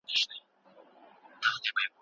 ده په خپلو سترګو کې د یوې رڼا په لټه کې و.